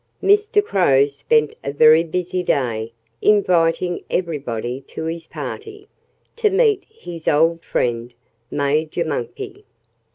Mr. Crow spent a very busy day inviting everybody to his party, to meet his old friend, Major Monkey.